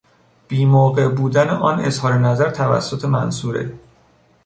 بی موقع بودن آن اظهارنظر توسط منصوره